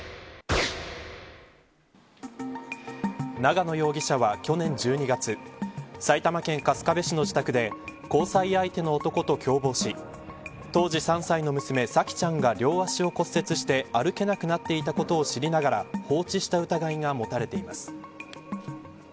長野容疑者は去年１２月埼玉県春日部市の自宅で交際相手の男と共謀し当時３歳の娘、沙季ちゃんが両足を骨折して歩けなくなっていたことを知りながら放置した疑いが持たれています。